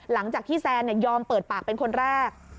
หลังจากที่แซนยอมเปิดปากเป็นคนแรก